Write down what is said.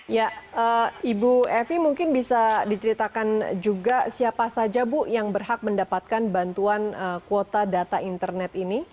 ya ibu evi mungkin bisa diceritakan juga siapa saja bu yang berhak mendapatkan bantuan kuota data internet ini